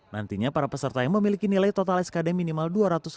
nantinya para peserta yang memiliki nilai total skd minimal dua ratus enam puluh